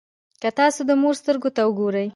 که تاسو د مور سترګو ته وګورئ.